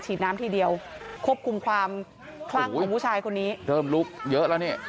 ฉีดน้ำทีเดียวควบคุมความคลั่งของผู้ชายคนนี้เริ่มลุกเยอะแล้วนี่